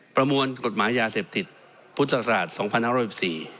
ประมวลกฎหมายยาเสพติดพุทธศาสตร์สองพันห้าร้อยสิบสี่